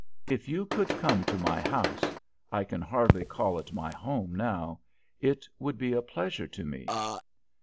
If you could come to my house, I can hardly call it my home now, it would be a pleasure to me."